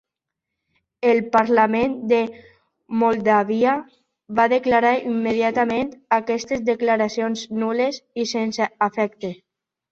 El parlament de Moldàvia va declarar immediatament aquestes declaracions nul·les i sense efecte.